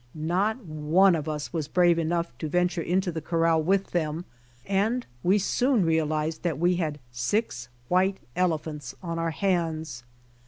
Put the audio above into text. Not one of us was brave enough to venture into the corral with them, and wie soon realiz ed that we had six white elephants on our hands.